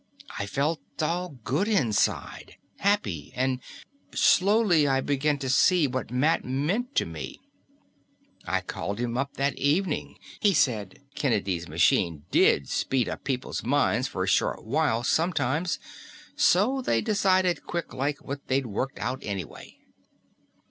I felt all good inside, happy, and shlo slowly I began to see what Matt meant to me. "I called him up that evening. He said Kennedy's machine did speed up people's minds for a short while, sometimes, so they decided quick like what they'd've worked out anyway.